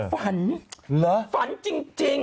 ฝันฝันจริง